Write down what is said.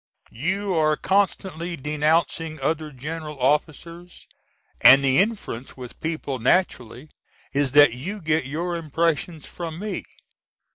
You are constantly denouncing other general officers and the inference with people naturally is that you get your impressions from me.